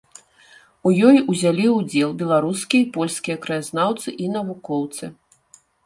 У ёй узялі ўдзел беларускія і польскія краязнаўцы і навукоўцы.